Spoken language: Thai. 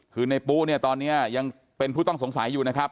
คือในปุ๊เนี่ยตอนนี้ยังเป็นผู้ต้องสงสัยอยู่นะครับ